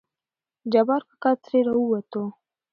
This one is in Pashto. جبار کاکا ترې راووتو.